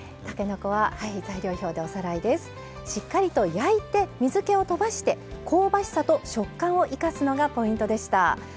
たけのこはしっかりと焼いて水けを飛ばして香ばしさと食感を生かすのがポイントでした。